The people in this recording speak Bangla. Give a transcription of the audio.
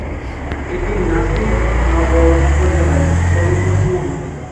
এটি নাসিরনগর উপজেলার সর্ব-পশ্চিমে অবস্থিত।